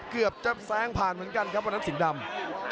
เกือบจะแซงผ่านเหมือนกันครับวันนั้นสิงห์ดำ